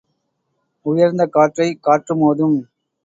உயர்ந்த காற்றைக் காற்று மோதும்.